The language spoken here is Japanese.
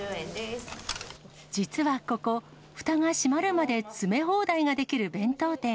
実はここ、ふたが閉まるまで詰め放題ができる弁当店。